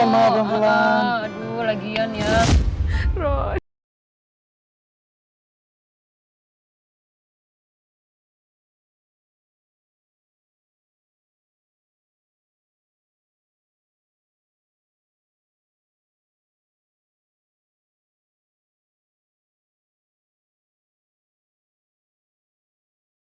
mau bangga sama kamu beneran